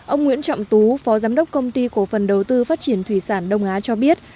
ông nguyễn trọng tú phó giám đốc công ty cổ phần đầu tư phát triển thủy sản đông á cho biết